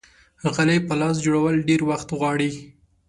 غلۍ په لاسو جوړول ډېر وخت غواړي.